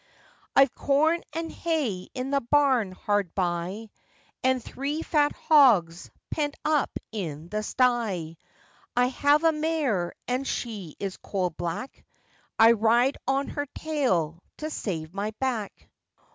I've corn and hay in the barn hard by, And three fat hogs pent up in the sty: I have a mare, and she is coal black, I ride on her tail to save my back.